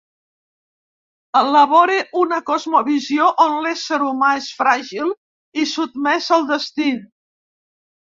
Elabore una cosmovisió on l'ésser humà és fràgil i sotmès al destí.